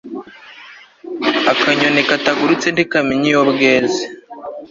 akanyonikatagurutse ntikamenya iyo bweze